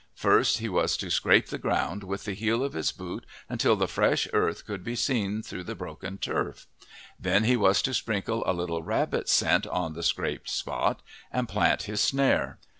First he was to scrape the ground with the heel of his boot until the fresh earth could be seen through the broken turf; then he was to sprinkle a little rabbit scent on the scraped spot, and plant his snare.